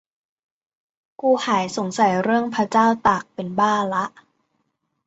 "กูหายสงสัยเรื่องพระเจ้าตากเป็นบ้าละ"